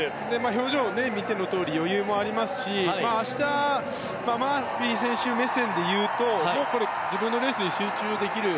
表情、見てのとおり余裕がありますし明日、マーフィー選手目線で言うと自分のレースに集中できる。